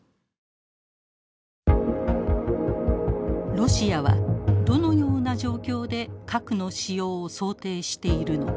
ロシアはどのような状況で核の使用を想定しているのか。